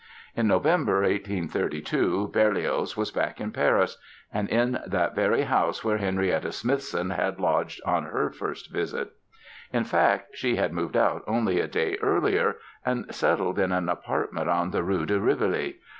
In November, 1832, Berlioz was back in Paris, and in that very house where Henrietta Smithson had lodged on her first visit. In fact, she had moved out only a day earlier and settled in an apartment on the Rue de Rivoli.